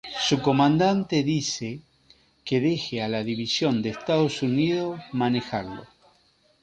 Su comandante le dice que deje a la división de Estados Unidos manejarlo.